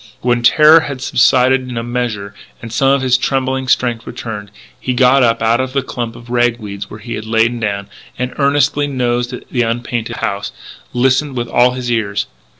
When terror had subsided in a measure and some of his trembling strength returned, he got up out of the clump of rag weeds where he had lain down, and earnestly nosed the unpainted house, listening with all his ears.